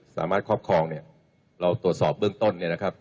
ครอบครองเนี่ยเราตรวจสอบเบื้องต้นเนี่ยนะครับ